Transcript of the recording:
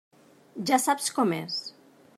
Ja saps com és.